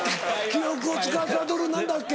記憶をつかさどる何だっけ？